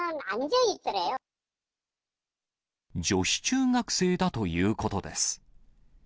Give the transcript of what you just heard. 女子中学生だということです。